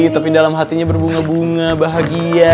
tapi dalam hatinya berbunga bunga bahagia